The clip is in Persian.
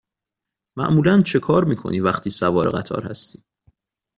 معمولا چکار می کنی وقتی سوار قطار هستی؟